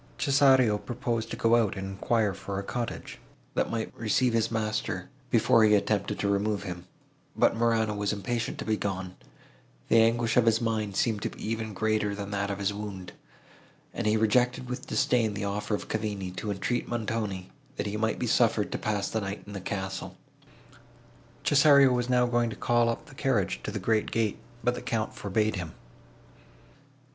Cesario proposed to go out, and enquire for a cottage, that might receive his master, before he attempted to remove him: but Morano was impatient to be gone; the anguish of his mind seemed to be even greater than that of his wound, and he rejected, with disdain, the offer of Cavigni to entreat Montoni, that he might be suffered to pass the night in the castle. Cesario was now going to call up the carriage to the great gate, but the Count forbade him.